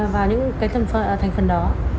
và những thành phần đó